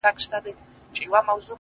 په شاعرۍ کي رياضت غواړمه;